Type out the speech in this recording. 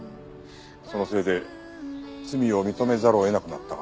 そのせいで罪を認めざるを得なくなったがな。